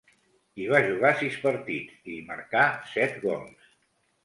Hi va jugar sis partits, i hi marcà set gols.